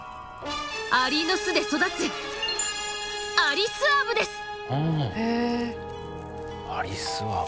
アリの巣で育つアリスアブ。